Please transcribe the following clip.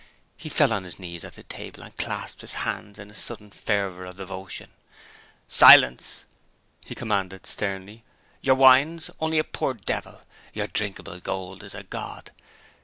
He fell on his knees at the table, and clasped his hands in a sudden fervor of devotion. "Silence!" he commanded sternly. "Your wine's only a poor devil. Your drinkable gold is a god.